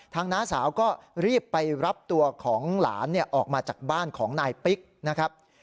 น้าสาวก็รีบไปรับตัวของหลานออกมาจากบ้านของนายปิ๊กนะครับ